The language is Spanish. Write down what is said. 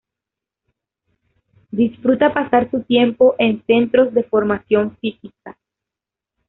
Disfruta pasar su tiempo en centros de formación física.